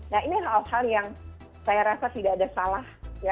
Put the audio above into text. nah ini hal hal yang saya rasa tidak ada salah